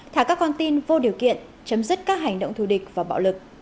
thả các con tin vô điều kiện chấm dứt các hành động thù địch và bạo lực